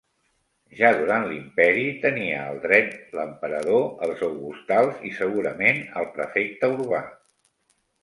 Ja durant l'Imperi tenia el dret l'emperador, els augustals, i segurament el prefecte urbà.